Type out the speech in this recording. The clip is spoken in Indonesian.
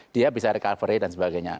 dia bisa recovery dan sebagainya